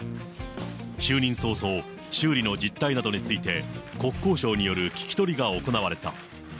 就任早々、修理の実態などについて、国交省による聞き取りが行われた。